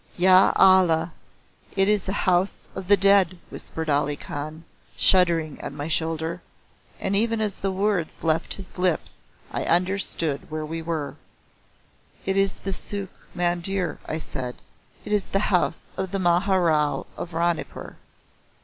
"Ya Alla! it is a house of the dead!" whispered Ali Khan, shuddering at my shoulder, and even as the words left his lips I understood where we were. "It is the Sukh Mandir." I said. "It is the House of the Maharao of Ranipur."